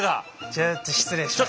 ちょっと失礼しますね。